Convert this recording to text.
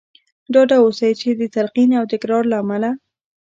ډاډه اوسئ چې د تلقين او تکرار له امله.